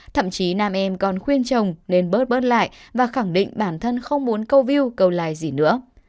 thậm chí nam em còn khuyên chồng nên bớt lại và khẳng định bản thân không muốn câu view câu like gì nữa